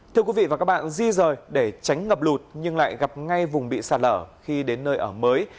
thưa quý vị và các bạn di rời để tránh ngập lụt nhưng lại gặp ngay vùng bị sạt lở khi đến nơi ở mới